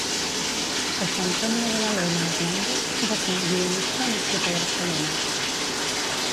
José Antonio de la Loma Hernández va ser un guionista nascut a Barcelona.